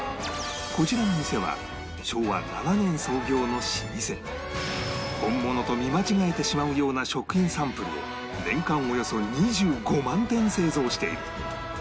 こちらの店は本物と見間違えてしまうような食品サンプルを年間およそ２５万点製造している